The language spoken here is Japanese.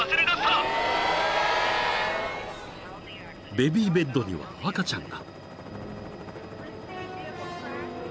［ベビーベッドには赤ちゃんが］